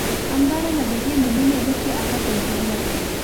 همدارنګه د هند د نيمې وچې هغه جمهوريت.